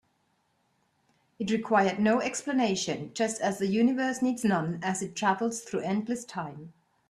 It required no explanation, just as the universe needs none as it travels through endless time.